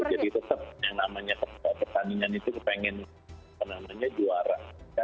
jadi tetep yang namanya pertandingan itu kepengen namanya juara